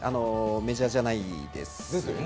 メジャーじゃないですね。